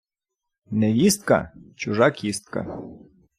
невістка – чужа кістка